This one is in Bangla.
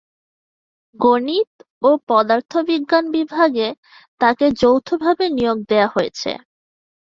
গণিত ও পদার্থবিজ্ঞান বিভাগে তাকে যৌথভাবে নিয়োগ দেয়া হয়েছে।